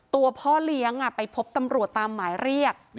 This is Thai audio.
ตัวพ่อเลี้ยงไปพบตำรวจตามหมายเรียก